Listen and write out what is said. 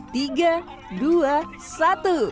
tiga dua satu